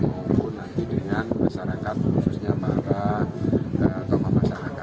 mengunggulkan diri dengan masyarakat khususnya para tokoh masyarakat